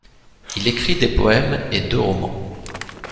Il écrit des poèmes et deux romans.